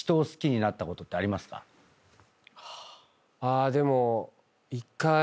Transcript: あでも。